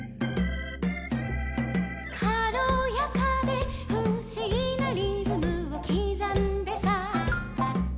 「かろやかでふしぎなリズムをきざんでさ」